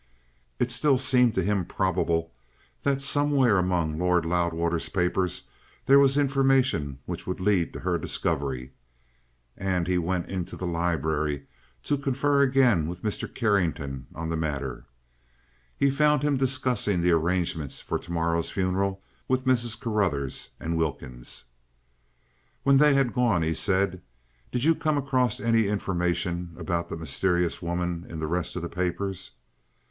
It still seemed to him probable that somewhere among Lord Loudwater's papers there was information which would lead to her discovery, and he went into the library to confer again with Mr. Carrington on the matter. He found him discussing the arrangements for tomorrow's funeral with Mrs. Carruthers and Wilkins. When they had gone he said: "Did you come across any information about that mysterious woman in the rest of the papers?"